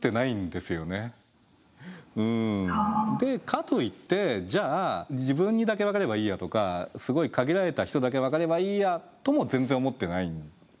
かといってじゃあ自分にだけ分かればいいやとかすごい限られた人だけ分かればいいやとも全然思ってないっていうね。